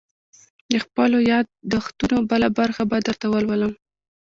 _د خپلو ياد دښتونو بله برخه به درته ولولم.